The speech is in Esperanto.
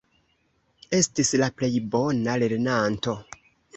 Estis la plej bona lernanto.